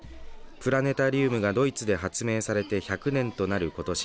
プラネタリウムがドイツで発明されて１００年となることし